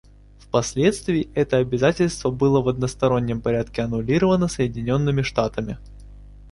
Впоследствии это обязательство было в одностороннем порядке аннулировано Соединенными Штатами.